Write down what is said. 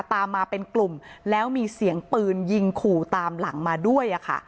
ตามมาเป็นกลุ่มแล้วมีเสียงปืนยิงขู่ตามหลังมาด้วย